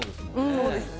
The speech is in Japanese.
そうですね。